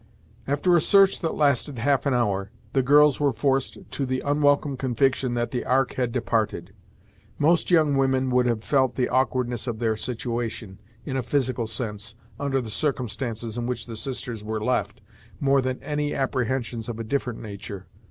After a search that lasted half an hour, the girls were forced to the unwelcome conviction that the ark had departed. Most young women would have felt the awkwardness of their situation, in a physical sense, under the circumstances in which the sisters were left, more than any apprehensions of a different nature.